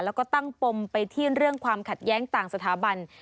แล้วก็ตั้งปมไปที่เรื่องความขัดแย้งต่างสถาบัน